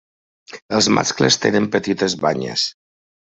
Els mascles tenen petites banyes.